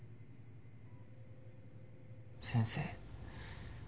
先生。